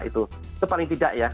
itu paling tidak ya